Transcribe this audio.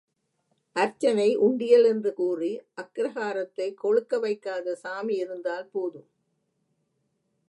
அர்ச்சனை, உண்டியல் என்று கூறி, அக்கிரகாரத்தைக் கொழுக்க வைக்காத சாமி இருந்தால் போதும்.